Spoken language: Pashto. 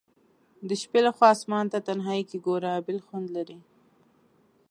د شپي لخوا آسمان ته تنهائي کي ګوره بیل خوند لري